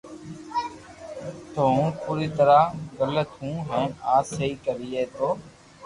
تو ھون پوري طرح گلت ھون ھين آ سھي ڪوئي نو